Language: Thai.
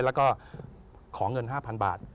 แล้วก็ขอเงิน๕๐๐๐บาท